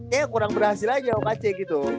kayanya kurang berhasil aja wakace gitu